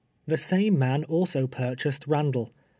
The same man also purchased Bandall.